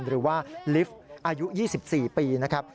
หรือว่าลิฟต์อายุ๒๔ปีนะครับ